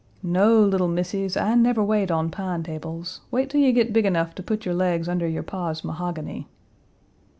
"No, little missies, I never wait on pine tables. Wait till you get big enough to put your legs under your pa's mahogany."